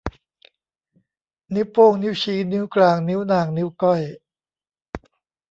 นิ้วโป้ง นิ้วชี้ นิ้วกลาง นิ้วนาง นิ้วก้อย